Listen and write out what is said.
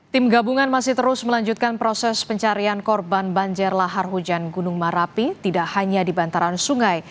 tim gabungan masih terus melanjutkan proses pencarian korban banjir lahar hujan gunung merapi tidak hanya di bantaran sungai